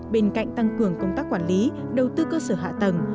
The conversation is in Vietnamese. bên cạnh tăng cường công tác quản lý đầu tư cơ sở hạ tầng